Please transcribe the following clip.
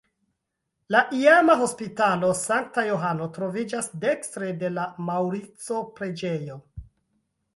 La iama Hospitalo Sankta Johano troviĝas dekstre de la Maŭrico-preĝejo.